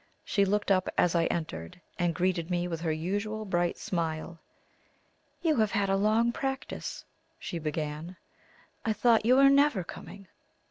She looked up as I entered, and greeted me with her usual bright smile. "You have had a long practice," she began; "I thought you were never coming."